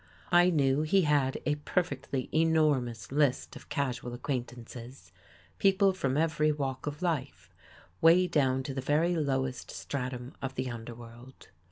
I knew he had a perfectly enormous list of casual acquaintances — people from every walk of life, way down to the very lowest stratum of the underworld.